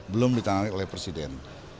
belum ditangani oleh presiden